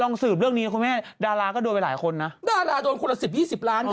สืบเรื่องนี้คุณแม่ดาราก็โดนไปหลายคนนะดาราโดนคนละสิบยี่สิบล้าน